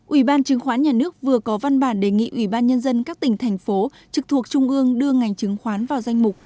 ủy ban chứng khoán nhà nước vừa có văn bản đề nghị ủy ban nhân dân các tỉnh thành phố trực thuộc trung ương đưa ngành chứng khoán vào danh mục